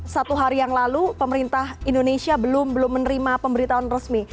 satu hari yang lalu pemerintah indonesia belum menerima pemberitahuan resmi